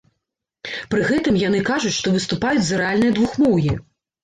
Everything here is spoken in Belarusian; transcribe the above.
Пры гэтым яны кажуць, што выступаюць за рэальнае двухмоўе.